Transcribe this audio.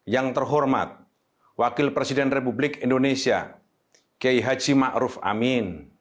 yang terhormat wakil presiden republik indonesia gai haji ma'ruf amin